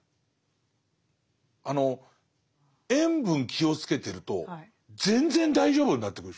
あの塩分気をつけてると全然大丈夫になってくるでしょ。